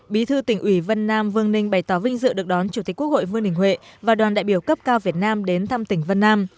bí thư tỉnh ủy vân nam vương ninh bày tỏ vinh dự được đón chủ tịch quốc hội vương đình huệ và đoàn đại biểu cấp cao việt nam đến thăm tỉnh vân nam